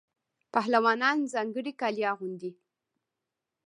پهلوانان ځانګړي کالي اغوندي.